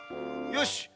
よし。